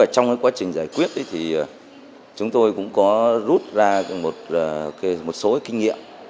trong quá trình giải quyết thì chúng tôi cũng có rút ra một số kinh nghiệm